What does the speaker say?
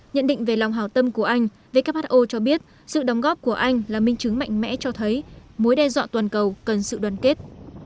nhận định về lòng hào tâm của anh who cho biết sự đóng góp của anh là minh chứng mạnh mẽ cho thấy mối đe dọa toàn cầu cần sự đoàn kết